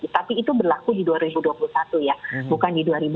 tapi itu berlaku di dua ribu dua puluh satu ya bukan di dua ribu dua puluh